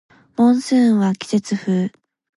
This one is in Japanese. モンスーンは季節風